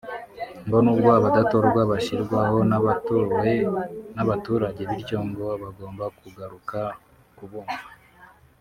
ngo nubwo badatorwa bashyirwaho n’abatowe n’abaturage bityo ngo bagomba kugaruka kubumva